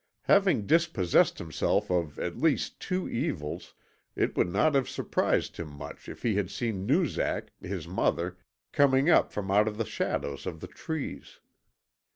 Having dispossessed himself of at least two evils it would not have surprised him much if he had seen Noozak, his mother, coming up from out of the shadows of the trees.